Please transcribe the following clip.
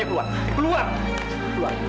jangan sedua anak saya